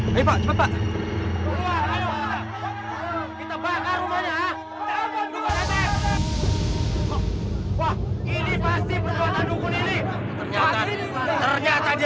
hai pak coba kita bakar rumahnya ini pasti perbuatan dukun ini ternyata ternyata dia